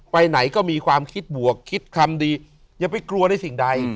ไปไหนก็มีความคิดบวกคิดคำดีอย่าไปกลัวในสิ่งใด